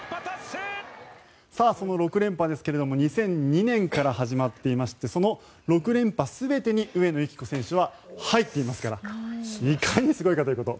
その６連覇ですが２００２年から始まっていましてその６連覇全てに上野由岐子選手入っていますからいかにすごいかということ。